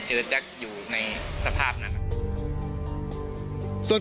ช่วยเร่งจับตัวคนร้ายให้ได้โดยเร่ง